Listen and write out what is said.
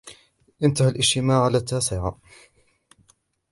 انتهى الاجتماع على التاسعة.